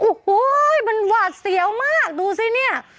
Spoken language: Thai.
โอ้โหมันหวาดเสียวมากดูสิเนี่ย